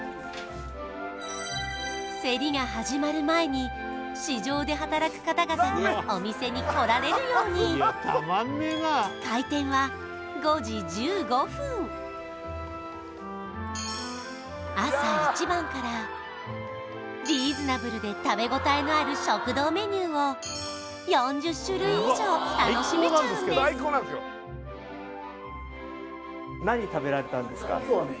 競りが始まる前に市場で働く方々がお店に来られるように朝一番からリーズナブルで食べ応えのある食堂メニューを４０種類以上楽しめちゃうんです今日はね